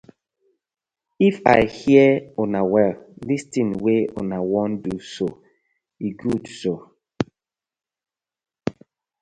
If I hear una well, dis ting wey una wan do so e good so.